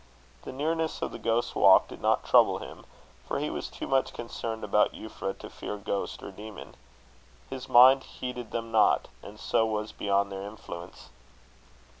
The nearness of the Ghost's Walk did not trouble him, for he was too much concerned about Euphra to fear ghost or demon. His mind heeded them not, and so was beyond their influence.